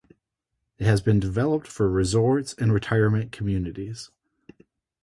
It has been developed for resorts and retirement communities.